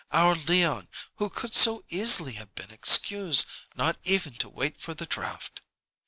Our Leon, who could so easily have been excused, not even to wait for the draft."